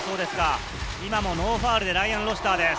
今もノーファウルでライアン・ロシターです。